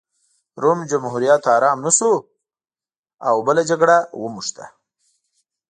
روم جمهوریت ارام نه شو او بله جګړه ونښته